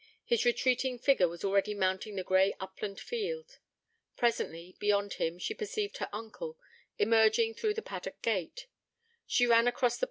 His retreating figure was already mounting the grey upland field. Presently, beyond him, she perceived her uncle, emerging through the paddock gate.